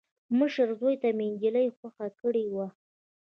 مشر زوي ته مې انجلۍ خوښه کړې وه.